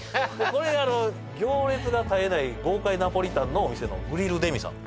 これあの行列が絶えない豪快ナポリタンのお店のグリルデミさん